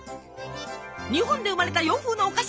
日本で生まれた洋風のお菓子。